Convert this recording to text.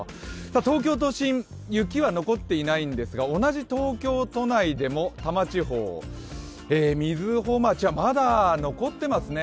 東京都心、雪は残っていないんですが同じ東京都内でも、多摩地方、瑞穂町はまだ残ってますね。